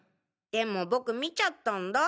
でも僕見ちゃったんだ。